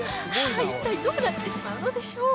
一体どうなってしまうのでしょう？